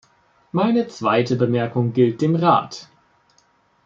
Meine zweite Bemerkung gilt dem Rat.